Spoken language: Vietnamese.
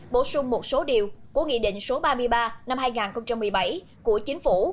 bổ sung một số điều của nghị định số ba mươi ba năm hai nghìn một mươi bảy của chính phủ